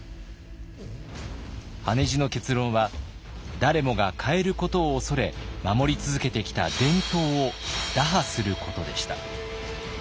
羽地の結論は誰もが変えることを恐れ守り続けてきた伝統を打破することでした。